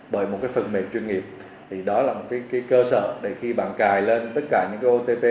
bởi một cái phần mềm chuyên nghiệp thì đó là một cái cơ sở để khi bạn cài lên tất cả những cái otp